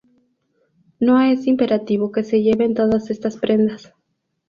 No es imperativo que se lleven todas estas prendas.